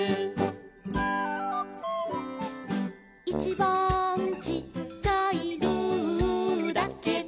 「いちばんちっちゃい」「ルーだけど」